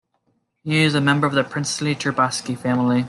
He is a member of the princely Trubetskoy family.